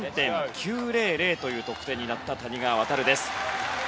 １３．９００という得点になった谷川航です。